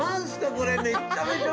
これめっちゃめちゃ